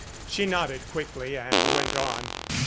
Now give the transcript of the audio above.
She nodded quickly and went on.